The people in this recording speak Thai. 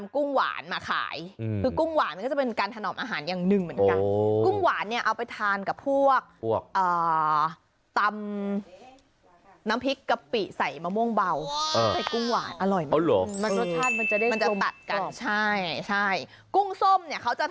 ส่วนกุ้งหวานอยู่ที่๑๗๐๑๘๐บาท